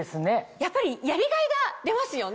やっぱりやりがいが出ますよね。